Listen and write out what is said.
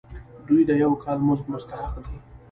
دوی د یو کال مزد مستحق دي.